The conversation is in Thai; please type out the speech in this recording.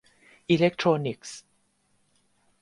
อิเลคโทรนิคส์